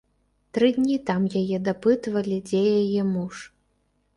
Тры дні там яе дапытвалі, дзе яе муж.